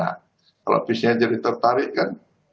kalau visinya jadi tertarik kan